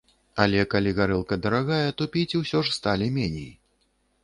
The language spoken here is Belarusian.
Але калі гарэлка дарагая, то піць усё ж сталі меней.